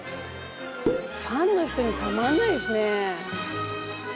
ファンの人にたまんないですね。